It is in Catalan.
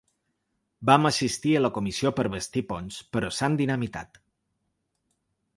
Vam assistir a la comissió per bastir ponts, però s’han dinamitat.